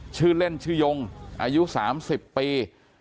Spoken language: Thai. ชื่อเล่นชื่อยงอายุ๓๐ปี